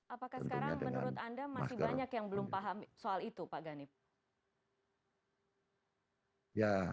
apakah sekarang menurut anda masih banyak yang belum paham soal itu pak ganip